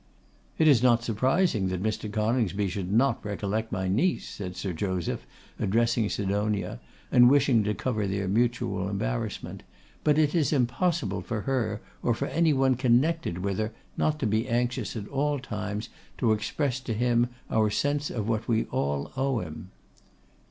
'It is not surprising that Mr. Coningsby should not recollect my niece,' said Sir Joseph, addressing Sidonia, and wishing to cover their mutual embarrassment; 'but it is impossible for her, or for anyone connected with her, not to be anxious at all times to express to him our sense of what we all owe him.